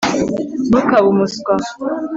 ntukabe umuswa